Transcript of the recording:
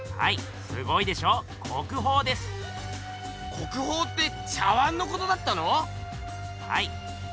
国宝って茶碗のことだったの⁉はい。